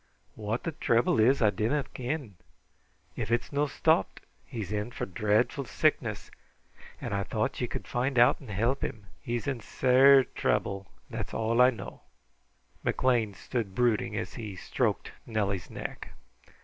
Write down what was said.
What the trouble is I dinna ken. If it is no' stopped, he's in for dreadful sickness, and I thought ye could find out and help him. He's in sair trouble; that's all I know." McLean sat brooding as he stroked Nellie's neck.